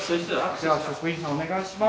じゃ職員さんお願いします。